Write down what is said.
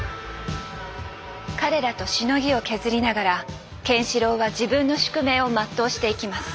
彼らとしのぎを削りながらケンシロウは自分の宿命を全うしていきます。